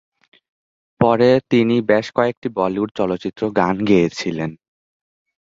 পরে, তিনি বেশ কয়েকটি বলিউড চলচ্চিত্র গান গেয়েছিলেন।